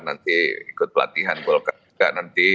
nanti ikut pelatihan golkar juga nanti